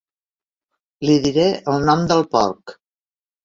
Li diré el nom del porc.